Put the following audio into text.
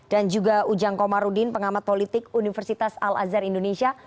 dan juga ujang komarudin pengamat politik universitas al azhar indonesia